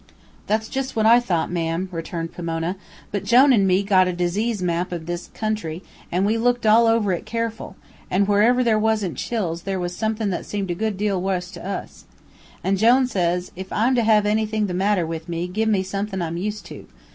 "That's jus' what I thought, ma'am," returned Pomona. "But Jone an' me got a disease map of this country an' we looked all over it careful, an' wherever there wasn't chills there was somethin' that seemed a good deal wuss to us. An' says Jone, 'If I'm to have anything the matter with me, give me somethin' I'm used to.